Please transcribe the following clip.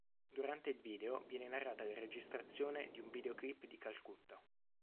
Durante il video viene narrata la registrazione di un videoclip di Calcutta.